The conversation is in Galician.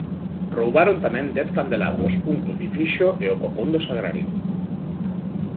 Roubaron tamén dez candelabros, un crucifixo e o copón do sagrario...